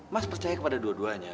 mas percaya kepada dua duanya